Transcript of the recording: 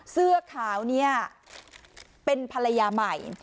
เสื้อขาวเนี่ยเป็นภรรยาใหม่